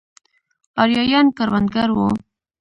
ارایایان کروندګر وو.